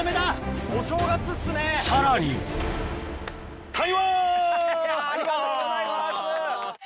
・さらにありがとうございます！